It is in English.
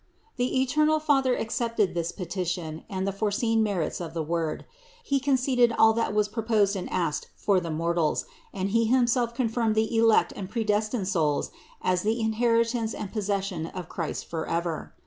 127. The eternal Father accepted this petition and the THE INCARNATION 103 foreseen merits of the Word; He conceded all that was proposed and asked for the mortals, and He himself confirmed the elect and predestined souls as the inheri tance and possession of Christ forever.